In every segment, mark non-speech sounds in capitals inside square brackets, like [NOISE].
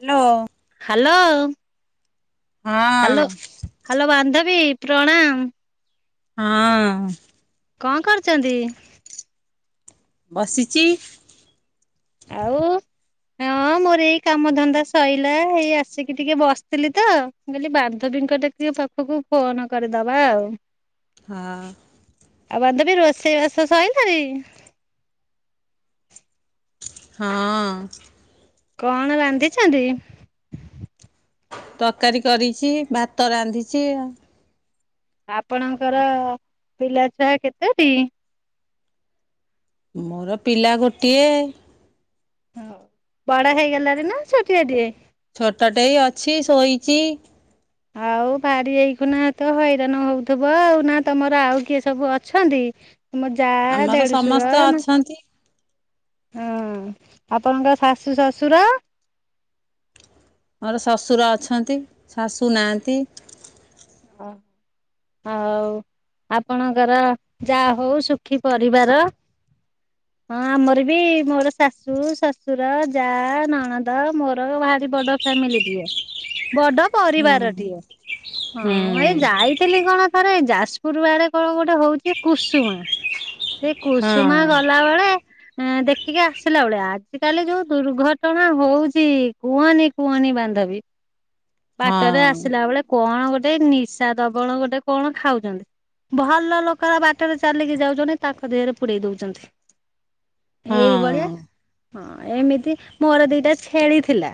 Hello. Hello. ହଁ ଅଁ। Hello ବାନ୍ଧବୀ, ପ୍ରଣାମ। ହଁ। କଅଁ କରୁଚନ୍ତି? ବସିଚି। ଆଉ ହଁ ମୋ ମୋର ଏଇ କାମ ଧନ୍ଦା ସଇଲା, ଏଇ ଆସିକି ଟିକେ ବସିଥିଲି ତ, ମୁଁ କହିଲି ଟିକେ ବାନ୍ଧବୀଙ୍କ ଟିକେ ପାଖକୁ ଫୋନ କରିଦବା ଆଉ। ହଁ। ଆଉ ବାନ୍ଧବୀ ରୋଷେଇବାସ ସଇଲାଣି? ହଁ ଅଁ। କଅଣ ରାନ୍ଧିଛନ୍ତି? ତରକାରୀ କରିଚି, ଭାତ ରାନ୍ଧିଚି ଆଉ। ଆପଣଙ୍କର ପିଲାଛୁଆ କେତୋଟି? ମୋର ପିଲା ଗୋଟିଏ। ବଡ ହେଇଗଲାଣି ନା ଛୋଟିଆଟିଏ? ଛୋଟଟେଇ ଅଛି ଶୋଇଚି। ଆଉ ଭାରି ଏଇଖୁନା ତ ହଇରାଣ ହଉଥିବ ଆଉ, ନା ତମର ଆଉ କିଏ ସବୁ ଅଛନ୍ତି? ତମ ଯା ଆମର ଦେଢଶୁର ସମସ୍ତେ ନା ଅଛନ୍ତି ହଁ ଆପଣଙ୍କ ଶାଶୁ ଶଶୁର? ମୋର ଶ୍ୱଶୁର ଅଛନ୍ତି ଶାଶୁ ନାହାନ୍ତି। ଓହୋ ଆଉ ଆପଣଙ୍କର ଯାହା ହଉ ସୁଖୀ ପରିବାର [UNINTELLIGIBLE] ହଁ ଆମର ବି ମୋର ଶାଶୁ ଶଶୁର ଯା ନଣଦ ମୋର ଭାରି ବଡ ଫାମିଲିଟିଏ ବଡ ହଁ ପରିବାରଟିଏ ହଁ ହୁଁ ଏଇ ଯାଇଥିଲି କଣ ଥରେ ଯାଜପୁର ଆଡ଼େ କଣ ଗୋଟେ ହଉଛି କୁସୁମା ସେ କୁସୁମା ହଁ ଗଲାବେେଳେ ହଁ ଦେଖିକି ଆସିଲା ବେଳେ ଆଜି କାଲି ଯୋଉ ଦୁର୍ଘଟଣା ହଉଛି କୁହନି କୁହନି ବାନ୍ଧବୀ ହଁ ବାଟରେ ଆସିଲା ବେଳେ କଣ ଗୋଟେ ନିଶା ଦବଣ ଗୋଟେ କଣ ଖାଉଛନ୍ତି ଭଲ ଲୋକର ବାଟରେ ଚାଲିକି ଯାଉଛନ୍ତି ତାଙ୍କ ଦେହରେ ପୁରେଇ ଦେଉଛନ୍ତି। ହଁ ଏଇଭଳିଆ ହଁ ଏମିତି ମୋର ଦିଟା ଛେଳି ଥିଲା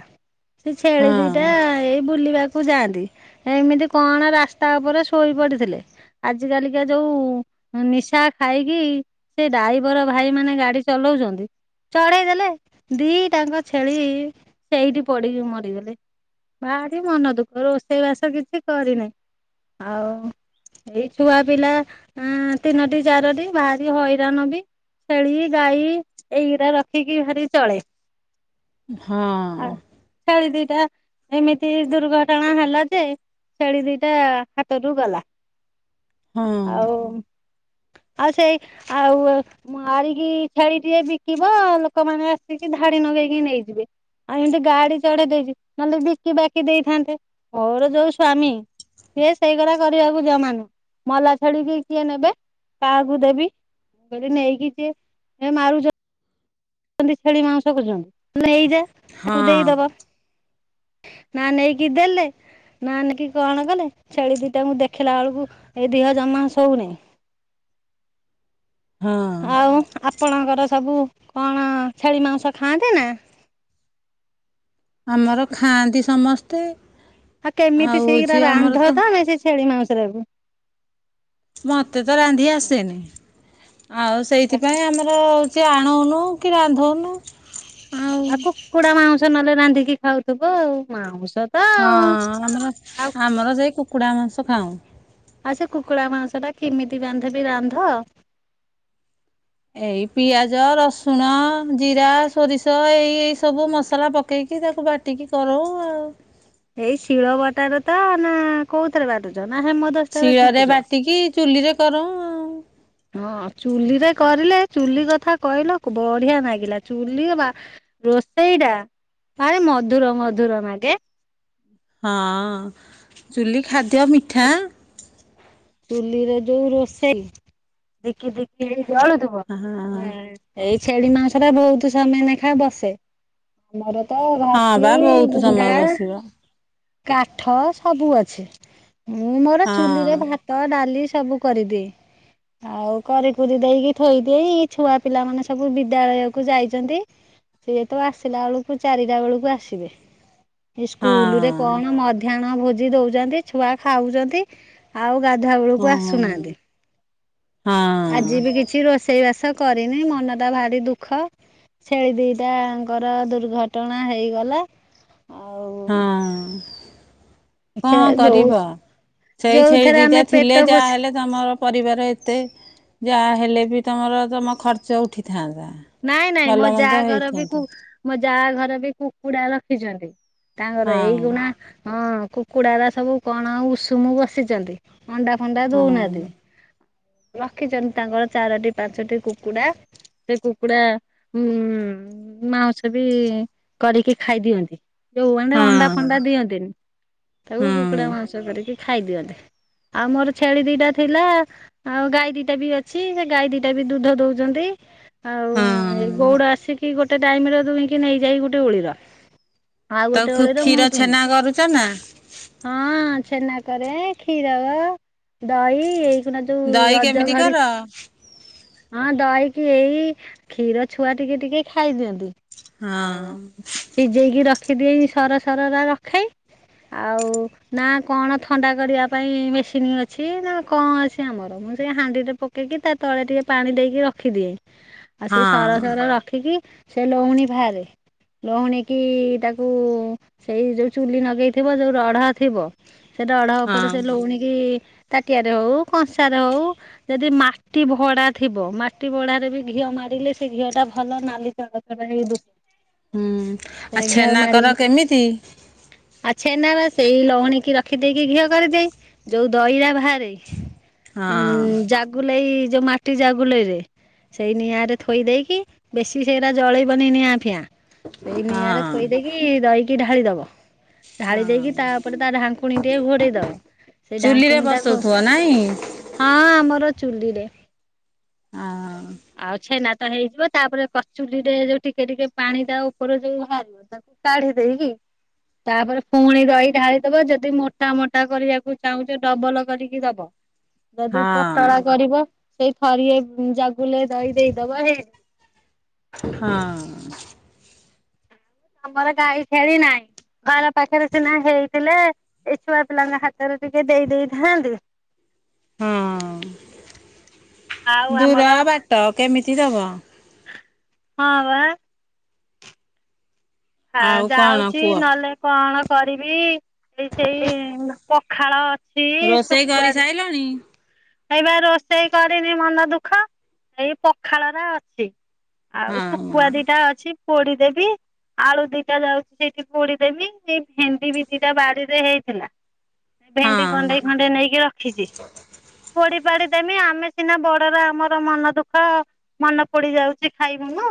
ସେ ଛେଳି ହଁ ଦିଟା ଏଇ ବୁଲିବାକୁ ଯାଆନ୍ତି ଏମିତି କଣ ରାସ୍ତା ଉପରେ ଶୋଇ ପଡିଥିଲେ ଆଜି କାଲିକା ଯୋଉ ନିଶା ଖାଇକି ସେ ଡ୍ରାଇଭର ଭାଇ ମାନେ ଗାଡି ଚଲାଉଜନ୍ତି ଚଢେଇ ଦେଲେ ଦି ଟା ଆଙ୍କ ଛେଳି ସେଇଠି ପଡିକି ମରିଗଲେ। ଭାରି ମନ ଦୁଃଖ ରୋଷେଇ ବାସ କିଛି କରିନି ଆଉ ଏଇ ଛୁଆ ପିଲା ତିନୋଟି ଚାରୋଟି ଭାରି ହଇରାଣ ବି ଛେଳି ଗାଈ ଏଇଗରାା ରଖିକି ଭାରି ଚଳେ! ହଁ! ଛଳି ଦିଟା ଏମିତି ଦୁର୍ଘଟଣା ହେଲା ଯେ ଛେଳି ଦିଟା ହାତରୁ ଗଲା ହଁ ଆଉ ଆଉ ସେଇ ଆଉ ମାରିକି ଛେଳି ଜିଏ ବିକିବ ଲୋକମାନେ ଆସିକି ଧାଡି ନଗେଇକି ନେଇଯିବେ! ଆଉ ଏମିତି ଗାଡି ଚଢେଇ ଦେଇଛି ନହେଲେ ବିକି ବାକି ଦେଇଥାନ୍ତେ ମୋର ଯୋଉ ସ୍ଵାମୀ ସିଏ ସେଇ ଗୁଡାକ କରିବାକୁ ଜମା ନୁହଁ ମଲା ଛେଳିକି କିଏ ନେବେ? କାହାକୁ ଦେବି ନେଇକି ଯ ମାରୁଛ [INAUDIBLE] ଛେଳି ମାଂସ କରୁଛନ୍ତିଲେ ହେଇଯା ହଁ ତାକୁ ଦେଇଦବା [INAUDIBLE] ହଁ ନା ନେଇକି ଦେେଲେ ନା ନେକି କଣ କରେ ଛେଳି ଦିଟାଙ୍କୁ ଦେଖିଲା ବେଳକୁ ଏଇ ଦେହ ଜମା ଶହୁନି! ଆଉ ଆପଣଙ୍କର ସବୁ କଣ ଛେଳି ମାଂସ ଖାଆନ୍ତି ନା? ଆମର ଖାଆନ୍ତି ସମସ୍ତେ! ଆଉ କେମିତି ସେଇ ଗୁଡାକ ରାନ୍ଧ ତ ଆମେ ସେଇ ଛେଳି ମାଉଁସ ଟା କୁ? ମତେ ତ ରାନ୍ଧି ଆସେନି ଆଉ ସେଇଥିପାଇଁ ଆମର ହଉ ସେ ଆଣୁନୁ କି ରାନ୍ଧୁନୁ! ଆଉ କୁକୁଡ଼ା ମାଉଁସ ନହେଲେ ରାନ୍ଧିକି ଖାଉଥିବ ଆଉ ମାଉଁସ ତ ହଁ, ଆଉ ଆମର ଆଉ ଆମର ସେଇ କୁକୁଡ଼ା ମାଂସ ଖାଉ! ଆଉ ସେ କୁକୁଡ଼ା ମାଂସ ଟା କେମିତି ରାନ୍ଧିବି ରାନ୍ଧ? ଏଇ ପିଆଜ ରସୁଣ ଜିରା ସୋରିଷ ଏଇ ଏଇ ସବୁ ମସଲା ପକେଇକି ତାକୁ ବାଟି ଟିକେ କର ଆଉ! ଏଇ ଶିଳ ବଟାାରେ ତ ନା କୋଉଥିଥରେ ବାଟୁଛ ନା ହେମ ଦସ୍ତାରେ ଶିଳରେ କୁଟୁଛ? ବାଟିକି ଚୁଲିରେ କରୁ! ଆଉ ହଁ ଚୁଲି ରେ କରିଲେ ଚୁଲି କଥା କହିଲ ବଢିଆ ଲାଗିଲା ଚୁଲି ରୋଷେଇ ଟା ଭାରି ମଧୁର ମଧୁର ଲାଗେ! ହଁ ଚୁଲି ଖାଦ୍ୟ ମିଠା! ଚୁଲିରେ ଯୋଉ ରୋଷେଇ ଧୀଖୀ ଧୀଖୀ ହେଇ ଜଳୁଥିବ ହଁ ଏଇ ଛେଳି ମାଂସ ଟା ବହୁତ ସମୟ ଲେଖାଏ ବସେ! ଆମର ତ ହଁ ରାଶି ବା ବହୁତ ସମୟ ଗୁଣ୍ଡା ବସିବ କାଠ ସବୁ ଅଛି ମୁଁ ମୋର ହଁ ଚୁଲିରେ ଭାତ ଡାଲି ସବୁ କରିଦିଏ! ଆଉ କରିିକୁରି ଦେଇକି ଥୋଇଦେଇ ଛୁଆ ପିଲା ମାନେ ସବୁ ବିଦ୍ୟାଳୟକୁୁ ଯାଇଛନ୍ତି! ସିଏ ତ ଆସିଲା ବେଳକୁ ଚାରିଟା ବେଳକୁ ଆସିବେ! ସ୍କୁଲ ରେ କଣ ହଁ ମଧ୍ୟାହ୍ନ ଭୋଜି ଦଉଛନ୍ତି ଛୁଆ ଖାଉଛନ୍ତି ଆଉ ସଂଧ୍ୟା ବେଳକୁ ହଁ ଆସୁନାହାନ୍ତି ହଁ ଆଜି ବି କିଛି କିଛି ରୋଷେଇ ବାସ କରିନି ମନଟା ଭାରି ଦୁଃଖ! ଛେଳି ଦିଟାଙ୍କର ଦୁର୍ଘଟଣା ହେଇଗଲା ଆଉ ହଁ ସେ କଣ ଯୋଉ କରିବ? ସେଇ ଛେଳି ଯୋଉଥିରେ ଆମେ ଦିଟା ପେଟ ଥିଲେ ଯାହା ପୋଷି ହେଲେ ତମର ପରିବାର ଏତେ ଯାହା ହେଲେ ବି ତମର ତମ ଖର୍ଚ୍ଚ ଉଠିଥାନ୍ତା! ନାଇଁ ନାଇଁ ଭଲ ମୋ ଯା ମନ୍ଦ ଘର ବି ହେଇଥାନ୍ତା ମୋ ଯା ଘର ବି କୁକୁଡା ରଖିଛନ୍ତି! ତାଙ୍କର ଏଇ ହଁ ଗୁଣା ହଁ କୁକୁଡାାର ସବୁ କଣ ଉଷୁମ ବସିଛନ୍ତି [INAUDIBLE] ଅଣ୍ଡା ଫଣ୍ଡା ହଁ ଦଉନାହାନ୍ତି! ରଖିଛନ୍ତି ତାଙ୍କର ଚାରୋଟି ପାଞ୍ଚଟି କୁକୁଡା ସେ କୁକୁଡ଼ା ମାଉଁସ ବି କରିକି ଖାଇଦିଅନ୍ତି! ଯୋଉ ମାନେ ଅଣ୍ଡା ହଁ ଫଣ୍ଡା ଦିଅନ୍ତିନି ତାକୁ ହଁ କୁକୁଡା ମାଂସ କରିକି ଖାଇ ଦିଅନ୍ତ! ଆଉ ମୋର ଛେଳି ଦିଟା ଥିଲା ଆଉ ଗାଈ ଦିଟା ବି ଅଛି ସେ ଗାଈ ଦିଟା ବି ଦୁଧ ଦଉଛନ୍ତି! ଆଉ ଏ ହଁ। ଗଉଡ ଆସିକି ଗୋଟେ ଟାଇମ ର ଦୁଇଁକି ନେଇଯାଇ ଗୋଟେ ଉଳିର ଆଉ ଗୋଟେ ତାକୁ ଓଳିର କ୍ଷୀର ମହୁ ଛେନା ଦୁନ୍ତି କରୁଛ ନା ହଁ ଛେନା କରେ କ୍ଷୀର ଦହି ଏଇ ନା ଯୋଉ ଦହି ରଜ କେମିତି ଘଡି କର? ହଁ ଦହିକି ଏଇ କ୍ଷୀର ଛୁଆ ଟିକେ ଟିକେ ଖାଇଦିଅନ୍ତି ଆଉ ହଁ ସିଝେଇକି ରଖିଦିଏ ସର ସର ଟ ରଖେ ଆଉ ନା କଣ ଥଣ୍ଡା କରିବା ପାଇଁ ମେସିନ୍ ଅଛି ନା କଣ ଅଛି ଆମର ମୁଁ ସେ ହାଣ୍ଡିରେ ପକେଇକି ତା ତଳେ ଟିକେ ପାଣି ଦେଇକି ରଖିଦିଏ ଆଉ ସେ ହଁ ସାରା ସାର ରଖିକି ସେ ଲଉଣୀ ଫହାରେ ଲହୁଣୀ କି ତାକୁ ସେଇ ଯୋଉ ଚୁଲି ନଗେଇଥିବ ଯୋଉ ରଢା ଥିବ ସେ ଡଢ ହଁ ଉପରେ ସେ ଲଉଣିକି ତାଟିଆରେ ହଉ କଂସାରେ ହଉ ଯଦି ମାଟି ଭଡା ଥିବ ମାଟି ଭଡାରେ ବି ଘିଅ ମ ଲେ ସେ ଘିଅ ଟା ଭଲ ନାଲି ଚଳଛ ହେଇୁ ହୁଁ, ଆଉ ଛେନା କର ମାରି କେମିତି? ଆଉ ଛେନା ବା ସେଇ ଲହୁଣୀ କି ରଖିଦେଇକି ଘିଅ କରିଦେଇ ଯୋଉ ଦହିରା ବାହାରେ ହଁ ଉଁ ଜାଗୁଲେଇ ଯୋଉ ମାଟି ଜାଗୁଲେଇରେ ସେଇ ନିିଆରେ ଥୋଇ ଦେଇେଇକି ବେଶି ସେଇଟା ଜଳେଇବନି ନିଆଁ ଫିଆଁ ସେଇ ହଁ ନିଆଁ ରେ ଥୋଇ ଦେଇକି ଦେଇକି ଢାଳି ଦବ ଢାଳି ଦେଇକି ହଁ ତାପରେ ତା ଢାଙ୍କୁଣୀ ଟିକେ ଘୋଡ଼େଇ ଦବ ସେଇ ଚୁଲିରେ ଢାଙ୍କୁଣୀ ଟା ଘୋ ବସଉଥିବ ନାଇଁ ହଁ ଆମର ଚୁଲିରେ ହଁ ଆଉଛ ନା ହେଇଯିବ ତାପରେ କଚୁଲିରେ ଯୋଉ ଟିକେ ଟିକେ ପାଣି ତା ଉପର ଯୋଉ ବାହାରିବ କାଢି ଦେଇକି ତାପରେ ପୁଣି ରହି ଢାଳିିଦବ ଯଦି ମୋଟା ମୋଟା କରିବାକୁ ଚାହୁଁଛ ଡବଲ କରିକି ଦବ ଯଦି ପତଳା ହଁ କରିବ ସେଇ ଥରିଏ ଜାଗୁଲେ ଦେଇ ଦେଇଦବ ହେ ହଁ ଆମର ଗାଈ ଛେଳି ନାହିଁ ଘର ପାଖରେ ସିନା ହେଇଥିଲେ ଏ ଛୁଆ ପିଲାଙ୍କ ହାତରେ ଟିକେ ଦେଇ ଦେଇେଥାନ୍ତି ଆଉ ହଁ ଆମର ଦୂର ବାଟ କେମିତି ଦବ ହଁ ବା ହ ଆଉ କଣ ଯାଉଛି କୁହ? ନହେଲେ କଣ କରିବି ଏଇ ସେଇ ପଖାଳ ଅଛି ରୋଷେଇ କରି ସାଇଲଣି ଏଇ ବା ରୋଷେଇ କରିନି ମନ ଦୁଃଖ ଏଇ ପଖାଳରେ ଅଛି ଆଉ ହଁ ଶୁଖୁଆ ଦିଟା ଅଛି ପୋଡି ଦେବି ଆଳୁ ଦିଟା ଯାଉଛି ସେଇଠି ପୋଡିଦବି ସେଇ ଭେଣ୍ଡି ବି ଦିଟା ବଡିରେ ହେଇଥିଲା ଏ ଭେଣ୍ଡି ହଁ କଣ୍ଡେଇ ଖଣ୍ଡେଇ ନେଇକି ରଖିଛି ପୋଢ ପାଡି ଦେମି ଆମେ ସିନା ବଡର ଆମର ମନ ଦୁଃଖ ମନେ ପଡି ଯାଉଛି ଖାଇବୁନ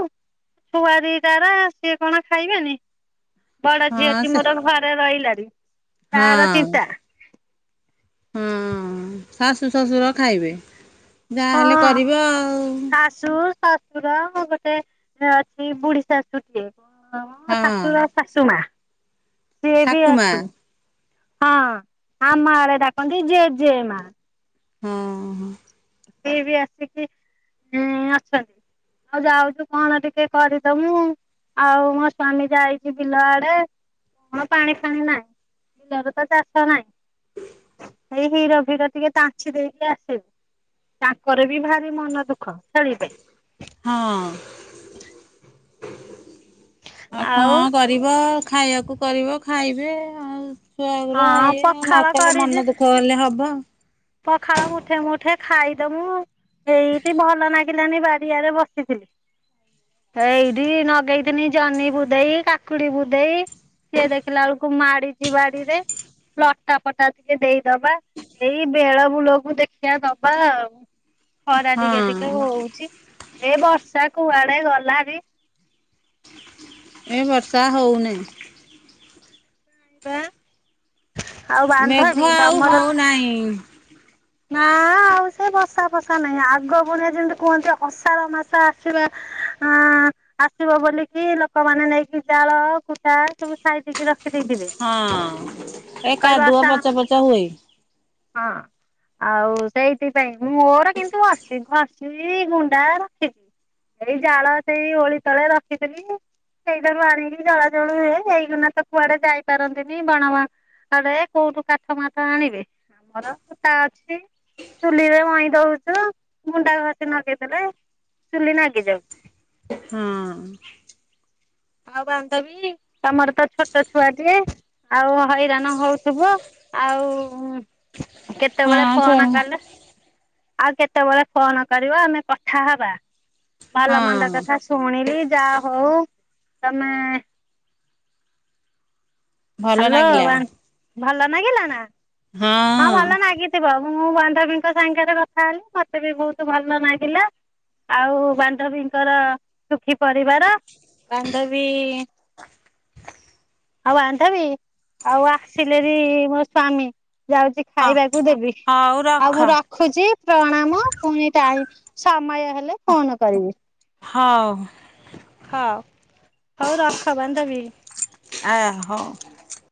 ଛୁଆ ଦିଟାର ସିଏ କଣ ଖାଇବେନି ବଡ ହଁ ଝିଅଟି ସେ ମୋର ଘରେ ରହିଲାଣିି ତାର ହଁ ଚିନ୍ତା ହଁ ଶାଶୁ ଶ୍ୱଶୁର ଖାଇବେ ଯାହାହେଲେ କରିବ ଆଉ ଶଶ ଶଶୁର ଗୋଟେ ଅଛି ବୁଢୀ ଶାଶୁଟିଏ ମୋ ହଁ ଶାଶୁର ଶାଶୁମା ସିଏ ବି ଠାକୁମା ଅଛି ହଁ ଆମରେ ଡାକନ୍ତି ଜେ ଜେ ମା ହଁ ହଁ ସିଏ ବି ଆସିକି ଅଛନ୍ତି ଆଉ ଯାଉଛୁ କଣ ଟିକେ କରିଦ ମୁଁ ଆଉ ମୋ ସ୍ଵାମୀ ଯାଇଛି ବିଲ ଆଡେ କଣ ପାଣି ଫାଣି ନାହିଁ [INAUDIBLE] ଏଇ ହିର ଭିର ଟିକେ ତାଛି ଦେଇକି ଆସିବେ ତାଙ୍କର ବି ଭାରି ମନ ଦୁଃଖ ଛେଳି ପାଇଁ ହଁ ଆଉ କଣ କରି କରିବ ଖାଇବାକୁ କରିବ ଖାଇବେ ଆଉ ଛୁଆଗର ହଁ ଇଏ ନ ପଖାଳ କଲେ କରିଛି ମନ ଦୁଃଖ ହେଲେ ହବ ପଖାଳ ମୁଠେ ମୁଠେ ଖାଇଦମୁ ଏଇଠି ଭଲ ଲାଗିଲାନି ବାଡିଆରେ ବସିଥିଲି ଏଇଠି ନଗେଇଥିନି ଜହ୍ନି ବୁଧେଇ କାକୁଡି ବୁଧେଇ ସିଏ ଦେଖିଲା ବେଳକୁ ମାଡିଛି ବାଡିରେ ଲଟା ଫଟା ଟିକେ ଦେଇଦବା ଏ ବେଳ ବୂଳକୁ ଦେଖିବା ଦବା ଖରା ହଁ ଟିକେ ଟିକେ ହଉଛି ଏ ବର୍ଷା କୁଆଡେ ଗଲା ବି ଏ ବର୍ଷା ହେଉନି ଆଉ ବାନ୍ଧବି ତମର ନାଇଁ ନା ଆଉ ସେ ବସା ଫସା ନାହିଁ ଆଗ ପୁଣିଆ ଯେମିତି କୁହନ୍ତି କଷାାର ମାଛ ଆସିବା ଅ ଆସିବ ବୋଲିକି ଲୋକମାନେ ନେଇକି ଜାଳ କୁଟା ସବୁ ସାଇ ଦେଇକି ରଖି ଦେଇେବି ହଁ। ଏ କହିବ କାଦୁଅ ଆସା ପଚ ପଚ ହୁଏ। ହଁ ଆଉ ସେଇଥିପାଇଁ ମୋର କିନ୍ତୁ ଅଛି ଘସି ଗୁଣ୍ଡା ରଖିଛି ଏଇ ଜାଳ ସେଇ ଓଳି ତଳେ ରଖିଥିଲି ସେଇଠାରୁ ଆଣିକି ଜଳାଜଳୁ ହୁଏ ସେଇଗନା ତ କୁଆଡେ ଯାଇପାରନ୍ତିନି ବଣମା ଆରେ କୋଉଠୁ କାଠ ମାଠ ଆଣିବେ ଆମର ତା ଅଛି ଚୁଲିରେ ମଇଁ ଦଉଛୁ ମୁଣ୍ଡା ଭସି ନଗେଇଦେଲେ ଚୁଲି ନାଗି ଯାଉଛି ହଁ ଆଉ ବାନ୍ଧବୀ ତମର ତ ଛୋଟ ଛୁଆଟିଏ ଆଉ ହଇରାଣ ହଉଥିବ ଆଉ କେତେବେଳେ ହଁ ସେ ଫୋନ କାଲ ଆଉ କେତେବେଳେ ଫୋନ କରିବ ଆମେ କଥା ହେବା ଭଲ ମନ୍ଦ ହଁ। କଥା ଶୁଣିଲି ଯାହା ହଉ ତମେ ଭଲ ହ୍ୟାଲୋ ନାଗିଲା। ଭଲ ନାଗିଲା ନା ହଁ ଭଲନାଗୀ ଥିବ ମୁଁ ବାନ୍ଧବୀଙ୍କ ସାଙ୍ଗରେ କଥା ହେଲି ମତେ ବି ବହୁତ ଭଲ ଲାଗିଲା ଆଉ ବାନ୍ଧବୀଙ୍କର ସୁଖୀ ପରିବାର ବାନ୍ଧବୀ ହଉ ବାନ୍ଧ ବି ଆଉ ଆସିଲେ ବି ମୋ ସ୍ଵାମୀ ଯାଉଛି। ଅ ଖାଇବାକୁ ଦେବି। ହଉ ଆଉ ରଖ ମୁଁ ରଖୁଛି ପ୍ରଣାମ ପୁଣି ଟାଇ, ସମୟ ହେଲେ ଫୋନ କରିବି। ହଉ ହଉ ହଉ ରଖ ବାନ୍ଧବି। ଆ ହଉ